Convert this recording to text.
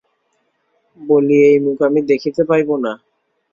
বলিল, ওই মুখ আমি দেখিতে পাইব না?